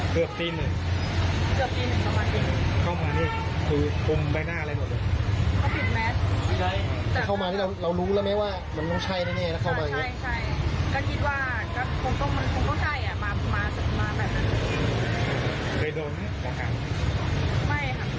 เข้ามาแล้วเรารู้แล้วไหมว่ามันใช่ใช่ใช่ใช่มามามามา